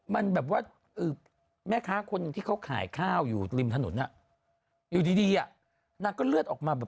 มันแบบว่าแม่ค้าคนหนึ่งที่เขาขายข้าวอยู่ริมถนนอยู่ดีอ่ะนางก็เลือดออกมาแบบ